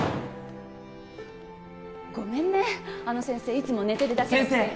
ごめんねあの先生いつも寝てる先生！